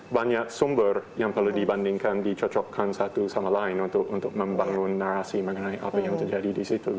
banyak sumber yang kalau dibandingkan dicocokkan satu sama lain untuk membangun narasi mengenai apa yang terjadi di situ